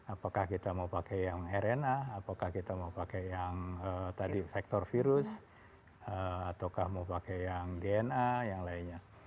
apakah kita mau pakai yang rna apakah kita mau pakai yang tadi faktor virus ataukah mau pakai yang dna yang lainnya